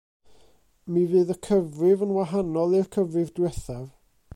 Mi fydd y cyfrif yn wahanol i'r cyfrif diwethaf.